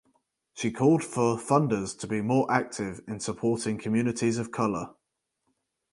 She called for funders to be more active in supporting communities of colour.